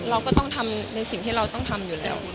เราก็ต้องทำในสิ่งที่เราต้องทำอยู่แล้ว